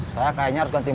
saya kayaknya harus gantung